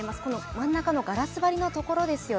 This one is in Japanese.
真ん中のガラス張りのところです。